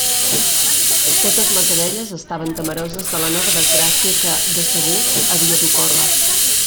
Totes les abelles estaven temoroses de la nova desgràcia que, de segur, havia d'ocórrer.